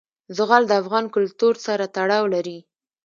زغال د افغان کلتور سره تړاو لري.